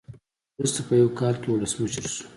وروسته په یو کال کې ولسمشر شو.